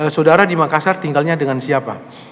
saudara di makassar tinggalnya dengan siapa